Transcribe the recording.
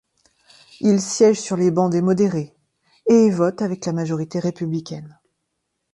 Il siège sur les bancs des modérés, et vote avec la majorité républicaine.